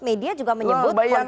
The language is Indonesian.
media juga menyebut politik dinasti